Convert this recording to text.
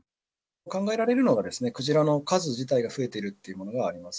考えられるのは、クジラの数自体が増えているっていうのがあります。